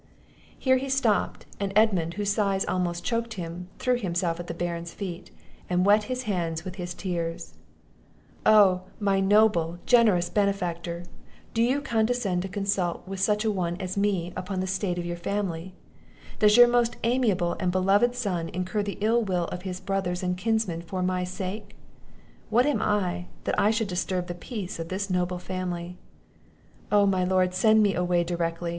Here he stopped; and Edmund, whose sighs almost choked him, threw himself at the Baron's feet, and wet his hand with his tears: "Oh, my noble, generous benefactor! do you condescend to consult such a one as me upon the state of your family? does your most amiable and beloved son incur the ill will of his brothers and kinsmen for my sake? What am I, that I should disturb the peace of this noble family? Oh, my lord, send me away directly!